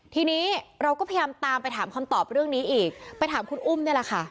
ทีนี้เราก็พยายามตามไปถามคำตอบเรื่องนี้อีกไปถามคุณอุ้มนี่แหละค่ะ